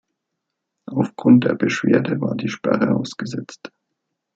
Aufgrund der Beschwerde war die Sperre ausgesetzt.